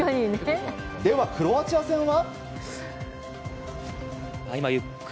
では、クロアチア戦は？